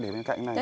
để bên cạnh này